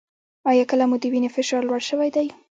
ایا کله مو د وینې فشار لوړ شوی دی؟